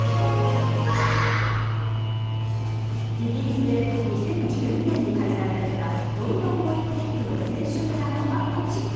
イギリスで２０１２年に開催されたロンドンオリンピックの選手村の跡地。